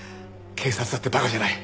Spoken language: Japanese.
警察だって馬鹿じゃない。